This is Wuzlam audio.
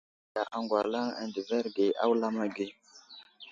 Anaŋ məndiya aŋgalaŋ adəverge a wulam age.